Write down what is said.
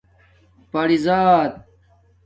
پری زات